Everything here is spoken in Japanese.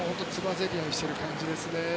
ぜり合いをしている感じですね。